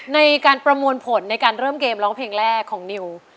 ในการประมวลผลในการเริ่มเกมร้องเพลงแรกของนิว